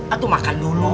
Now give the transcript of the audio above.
aduh makan dulu